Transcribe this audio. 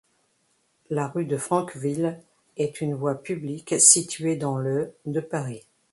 La rue de Franqueville est une voie publique située dans le de Paris.